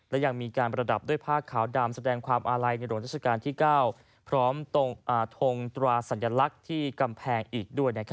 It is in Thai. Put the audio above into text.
และยังมีการประดับด้วยผ้าขาวดำแสดงความอาลัยในโรงทรัศกาลที่๙